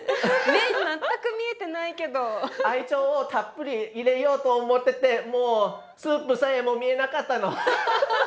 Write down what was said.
愛情をたっぷり入れようと思っててもうスープさえも見えなかったの。